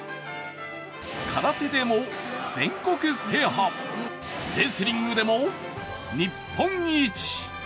空手でも全国制覇、レスリングでも日本一。